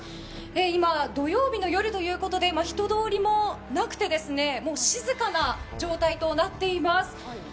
今、土曜日の夜ということで人通りもなくてですね、静かな状態となっています。